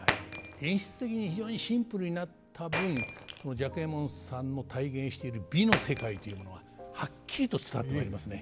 演出的に非常にシンプルになった分雀右衛門さんの体現している美の世界というものははっきりと伝わってまいりますね。